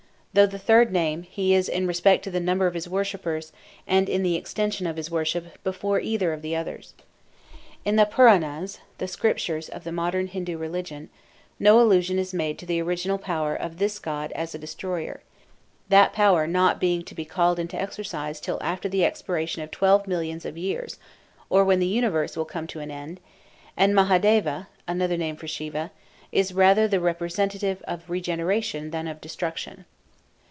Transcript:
Though the third name, he is, in respect to the number of his worshippers and the extension of his worship, before either of the others. In the Puranas (the scriptures of the modern Hindu religion) no allusion is made to the original power of this god as a destroyer; that power not being to be called into exercise till after the expiration of twelve millions of years, or when the universe will come to an end; and Mahadeva (another name for Siva) is rather the representative of regeneration than of destruction.